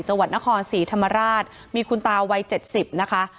จังหวัดนครศรีธรรมราชมีคุณตาวัย๗๐นะคะ